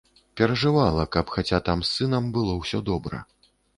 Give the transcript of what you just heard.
Перажывала, каб хаця там з сынам было ўсё добра.